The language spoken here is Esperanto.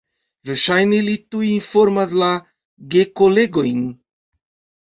Verŝajne li tuj informas la gekolegojn.